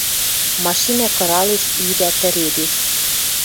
Машинӓ кыралеш, ӱда, тӹредеш